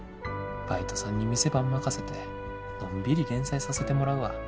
バイトさんに店番任せてのんびり連載させてもらうわ。